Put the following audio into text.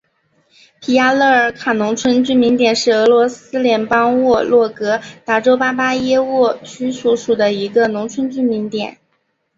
皮亚热尔卡农村居民点是俄罗斯联邦沃洛格达州巴巴耶沃区所属的一个农村居民点。